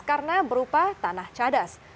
karena berupa tanah cadas